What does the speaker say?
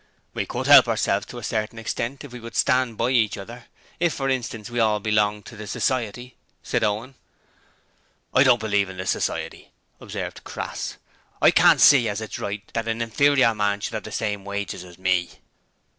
'We could help ourselves to a certain extent if we would stand by each other. If, for instance, we all belonged to the Society,' said Owen. 'I don't believe in the Society,' observed Crass. 'I can't see as it's right that a inferior man should 'ave the same wages as me.'